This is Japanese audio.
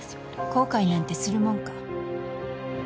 後悔なんてするもんか